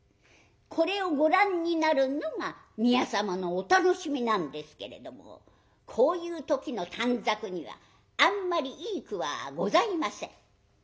これをご覧になるのが宮様のお楽しみなんですけれどもこういう時の短冊にはあんまりいい句はございません。